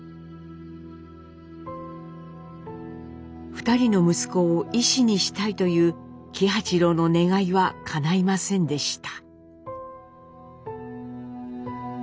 ２人の息子を医師にしたいという喜八郎の願いはかないませんでした。